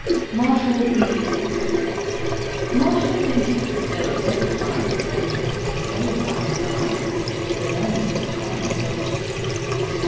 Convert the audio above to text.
MARSHAL BLUCHER Marshal Blucher, though a very fine fellow, was a very rough diamond, with the manners of a common soldier.